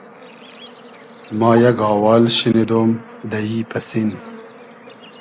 ما یئگ آوال شینیدۉم دۂ ای پئسین